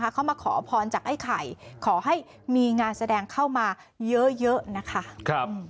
เขามาขอพรจากไอ้ไข่ขอให้มีงานแสดงเข้ามาเยอะนะคะ